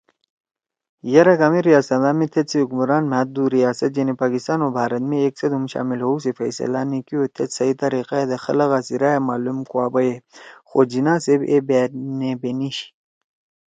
یرأ کامے ریاستا می تھید سی حکمران مھأ دو ریاست یعنی پاکستان او بھارت می ایک سیت ہُم شامل ہؤ سی فیصلہ نی کیو تھید صحیح طریقہ دے خلگا سی رائے معلوم کوا بیئی خو جناح صیب اے بات نے بینیشی۔